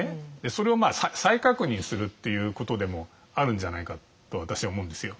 それを再確認するっていうことでもあるんじゃないかと私は思うんですよ。